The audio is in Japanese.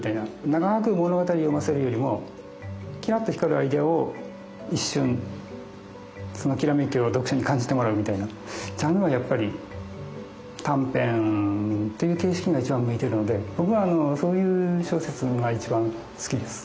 長く物語を読ませるよりもキラッと光るアイデアを一瞬そのきらめきを読者に感じてもらうみたいなジャンルはやっぱり短編という形式が一番向いてるので僕はそういう小説が一番好きです。